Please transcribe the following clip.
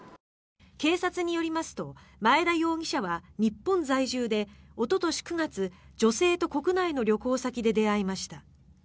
警察によりますとマエダ容疑者は日本在住で、おととし９月女性と国内の旅行先で出会いました。